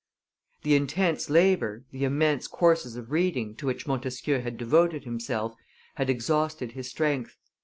The intense labor, the immense courses of reading, to which Montesquieu had devoted himself, had exhausted his strength.